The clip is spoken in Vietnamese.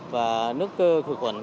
và nước khủy quẩn